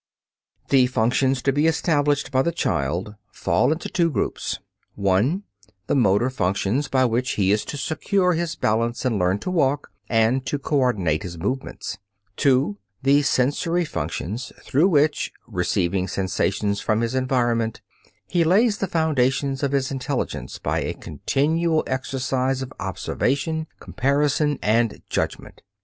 The functions to be established by the child fall into two groups: (1) the motor functions by which he is to secure his balance and learn to walk, and to coordinate his movements; (2) the sensory functions through which, receiving sensations from his environment, he lays the foundations of his intelligence by a continual exercise of observation, comparison and judgment.